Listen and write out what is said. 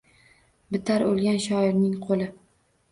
Bitar oʻlgan shoirning qoʻli.